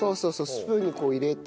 スプーンにこう入れて。